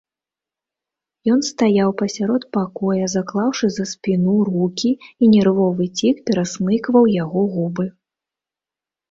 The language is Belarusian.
Ён стаяў пасярод пакоя, заклаўшы за спіну рукі, і нервовы цік перасмыкваў яго губы.